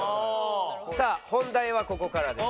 さあ本題はここからです。